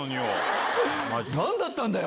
何だったんだよ！